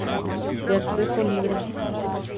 De acceso libre.